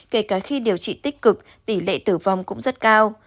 kể cả khi điều trị tích cực tỷ lệ tử vong cũng rất cao